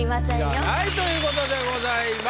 要らないということでございます。